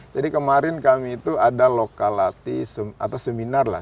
jadi kemarin kami itu ada lokal lati atau seminar lah